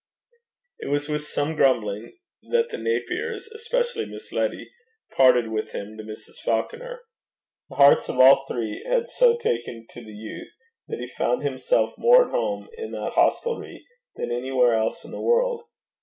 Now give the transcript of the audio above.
It was with some grumbling that the Napiers, especially Miss Letty, parted with him to Mrs. Falconer. The hearts of all three had so taken to the youth, that he found himself more at home in that hostelry than anywhere else in the world.